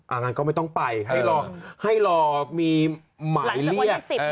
อ่ะงั้นก็ไม่ต้องไปให้รอมีหมายเรียก